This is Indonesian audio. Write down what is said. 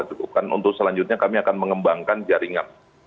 cukupkan untuk selanjutnya kami akan mengembangkan jaringan